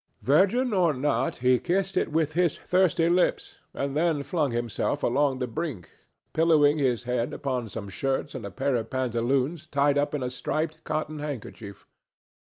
Virgin or not, he kissed it with his thirsty lips and then flung himself along the brink, pillowing his head upon some shirts and a pair of pantaloons tied up in a striped cotton handkerchief.